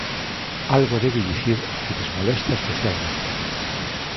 Algo debe dicir que lles molesta especialmente.